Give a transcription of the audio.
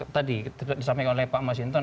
tadi disampaikan oleh pak mas hinton